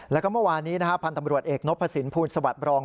แล้วก็เมื่อวานนี้พันธ์ตำรวจเอกนพสินภูลสวัสดิบรอง